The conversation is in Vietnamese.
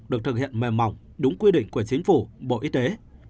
được thực hiện mềm mỏng đúng quy định của chính phủ bộ y tế